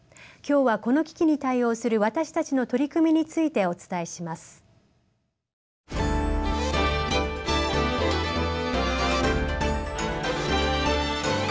今日はこの危機に対応する私たちの取り組みについてお伝えします。